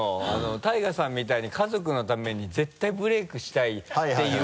ＴＡＩＧＡさんみたいに家族のために絶対ブレイクしたいっていう。